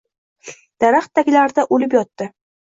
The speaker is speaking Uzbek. Daraxt taglarida o‘lib yotdi.